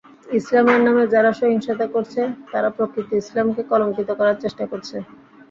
ইসলামের নামে যারা সহিংসতা করছে, তারা প্রকৃত ইসলামকে কলঙ্কিত করার চেষ্টা করছে।